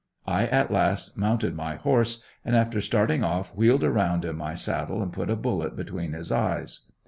I at last mounted my horse and after starting off wheeled around in my saddle and put a bullet between his eyes.